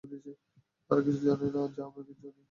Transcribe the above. তারা কি কিছু জানে যা আমরা জানি না?